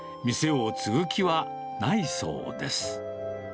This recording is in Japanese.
店を継ぐ気はないそうです。